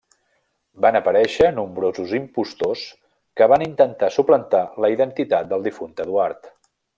Van aparèixer nombrosos impostors que van intentar suplantar la identitat del difunt Eduard.